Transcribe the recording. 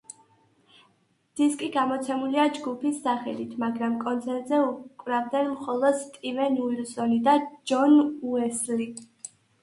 დისკი გამოცემულია ჯგუფის სახელით, მაგრამ კონცერტზე უკრავდნენ მხოლოდ სტივენ უილსონი და ჯონ უესლი.